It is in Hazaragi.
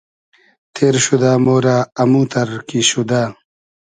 تېر شودۂ مۉرۂ اموتئر کی شودۂ